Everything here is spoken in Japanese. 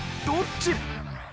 どっち？